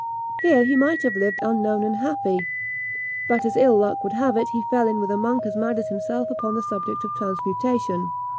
Here he might have lived unknown and happy; but, as ill luck would have it, he fell in with a monk as mad as himself upon the subject of transmutation.